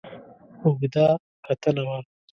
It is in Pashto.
اوږده کتنه وه.